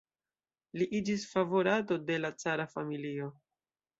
Li iĝis favorato de la cara familio.